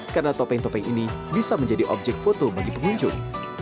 karena topeng topeng ini bisa menjadi objek foto bagi pengunjung